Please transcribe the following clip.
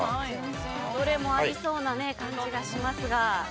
どれもありそうな感じがしますが。